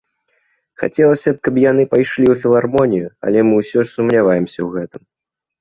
Хацелася б, каб яны пайшлі ў філармонію, але мы ўсё ж сумняваемся ў гэтым.